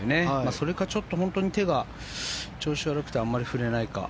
それかちょっと本当に手が調子が悪くてあまり振れないか。